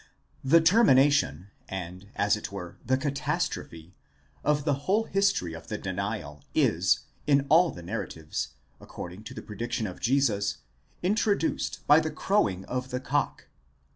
The termination, and as it were the catastrophe, of the whole history of the denial is, in all the narratives, according to the prediction of Jesus, introduced by the crowing of the cock.